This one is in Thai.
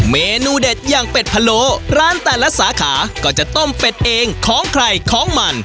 เมนูเด็ดอย่างเป็ดพะโล้ร้านแต่ละสาขาก็จะต้มเป็ดเองของใครของมัน